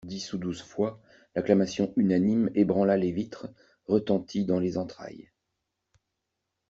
Dix ou douze fois, l'acclamation unanime ébranla les vitres, retentit dans les entrailles.